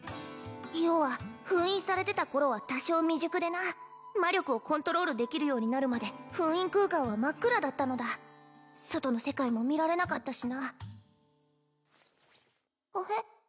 余は封印されてた頃は多少未熟でな魔力をコントロールできるようになるまで封印空間は真っ暗だったのだ外の世界も見られなかったしなほへ？